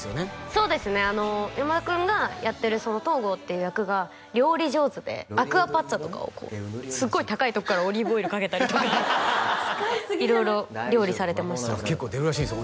そうですね山田君がやってる東郷っていう役が料理上手でアクアパッツァとかをすごい高いところからオリーブオイルかけたりとか色々料理されてました結構出るらしいんですよ